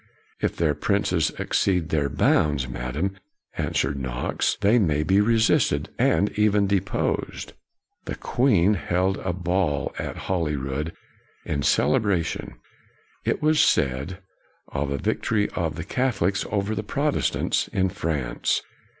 '" If their princes exceed their bounds, Madam," answered Knox, " they may be resisted, and even deposed." The Queen held a ball at Holyrood, in celebration it was said of a victory of the Catholics over the Protestants in France.